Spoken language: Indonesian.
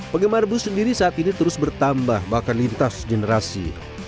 penggemar bus sendiri saat ini terus bertambah bahkan lintas generasi